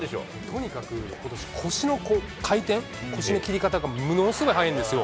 とにかくことし腰の回転、腰の切り方がものすごい速いんですよ。